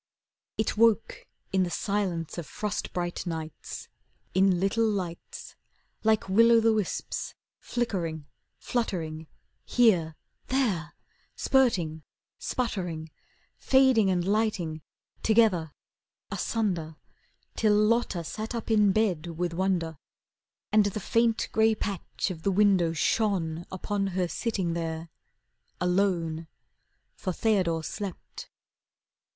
It woke in the silence of frost bright nights, In little lights, Like will o' the wisps flickering, fluttering, Here there Spurting, sputtering, Fading and lighting, Together, asunder Till Lotta sat up in bed with wonder, And the faint grey patch of the window shone Upon her sitting there, alone. For Theodore slept.